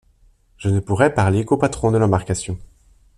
Je ne pourrai parler qu’au patron de l’embarcation.